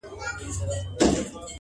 زه له فطرته عاشقي کوومه ښه کوومه،